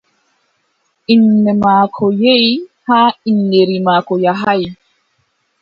Innde maako yehi har inndeeri maako yahaay.